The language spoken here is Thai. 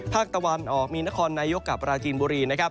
ภาคตะวานออกมีนครนายกกรรปะราจีนบุรี